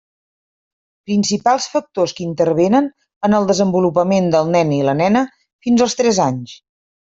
Principals factors que intervenen en el desenvolupament del nen i la nena fins als tres anys.